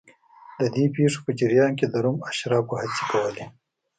د دې پېښو په جریان کې د روم اشرافو هڅې کولې